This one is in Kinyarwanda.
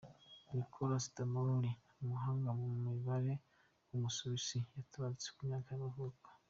Nicolaus I Bernoulli, umuhanga mu mibare w’umusuwisi yaratabarutse, ku myaka y’amavuko.